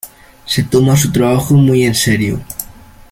Se toma su trabajo muy en serio.